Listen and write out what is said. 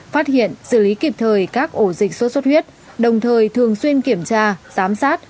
phát hiện xử lý kịp thời các ổ dịch sốt xuất huyết đồng thời thường xuyên kiểm tra giám sát